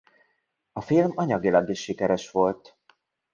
A film anyagilag is sikeres volt.